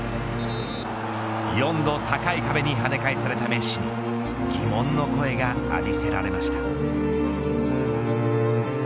４度高い壁に跳ね返されたメッシに疑問の声が浴びせられました。